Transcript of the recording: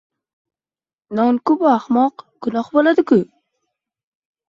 — Non-ku, bu, ahmoq! Gunoh bo‘ladi-ku!